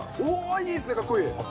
いいですね、かっこいい。